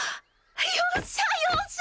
よっしゃよっしゃ！